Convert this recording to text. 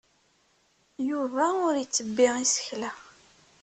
Yuba ur ittebbi isekla.